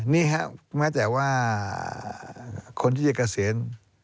นี่แหละแม้แต่ว่าคนที่เยี่ยมเกษียณ